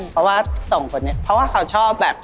เพราะว่าส่งคนนี้เพราะว่าเขาชอบแบบ